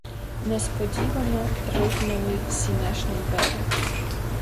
Несподівано рипнули сінешні двері.